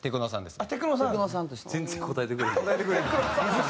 全然答えてくれへん。